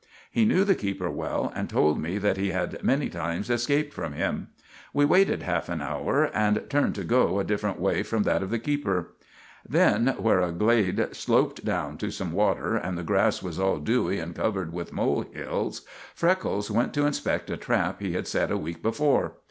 He knew the keeper well, and told me that he had many times escaped from him. We waited half an hour, and turned to go back a different way from that of the keeper. Then, where a glade sloped down to some water and the grass was all dewy and covered with mole hills, Freckles went to inspect a trap he had set a week before.